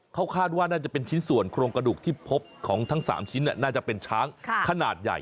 เขาคาดว่าน่าจะเป็นชิ้นส่วนโครงกระดูกที่พบของทั้ง๓ชิ้นน่าจะเป็นช้างขนาดใหญ่